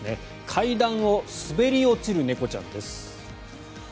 階段を滑り落ちる猫ちゃんです。